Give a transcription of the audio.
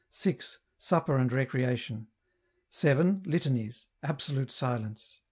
6. Supper and Recreation. 7. Litanies. Absolute Silence. 7.